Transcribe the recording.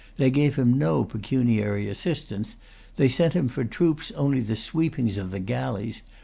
They gave him no pecuniary assistance. They sent him for troops only the sweepings of the galleys.